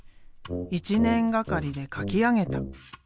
１年がかりで描き上げた。